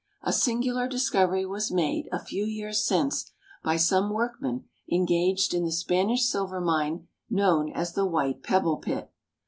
A singular discovery was made, a few years since, by some workmen engaged in the Spanish silver mine known as the White Pebble Pit.